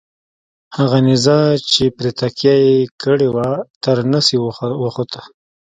هغه نیزه چې پرې تکیه یې کړې وه تر نس یې وخوته.